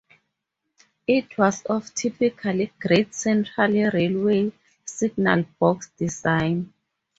It was of typical Great Central Railway signal box design.